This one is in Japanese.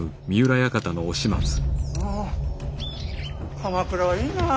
鎌倉はいいなあ。